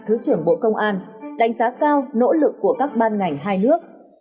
thứ trưởng bộ công an đánh giá cao nỗ lực của các ban ngành hai nước